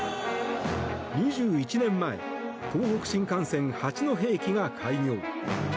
２１年前東北新幹線八戸駅が開業。